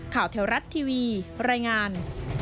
แถวรัฐทีวีรายงาน